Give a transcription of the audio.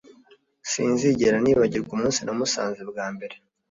sinzigera nibagirwa umunsi namusanze bwa mbere.